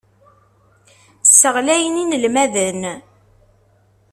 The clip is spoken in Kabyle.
Sseɣyalen inelmaden.